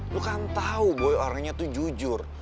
lo kan tau boy orangnya tuh jujur